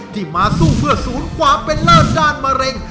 ที่มาสู้เพื่อศูนย์ความเป็นเลิศด้านมะเร็ง